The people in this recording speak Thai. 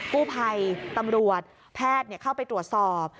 กู้ภัยตำรวจแพทย์เข้าไปตรวจสอบ